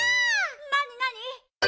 なになに？